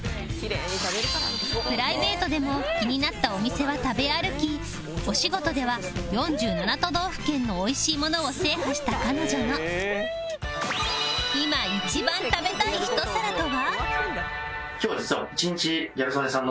プライベートでも気になったお店は食べ歩きお仕事では４７都道府県の美味しいものを制覇した彼女のいま一番食べたい一皿とは？